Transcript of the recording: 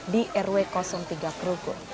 di rw tiga rukut